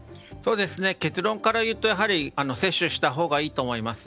結論から言うと接種したほうがいいと思います。